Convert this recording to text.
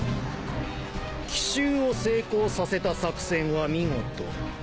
奇襲を成功させた作戦は見事。